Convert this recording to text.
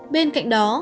bên cạnh đó